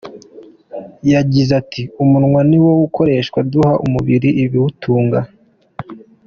Yagize ati ”Umunwa ni wo ukoreshwa duha umubiri ibiwutunga.